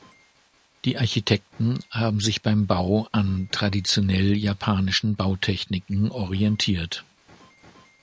Die Architekten haben sich beim Bau an traditionell japanischen Bautechniken orientiert.